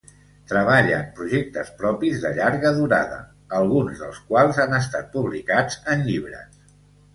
Treballa en projectes propis de llarga durada, alguns dels quals han estat publicats en llibres.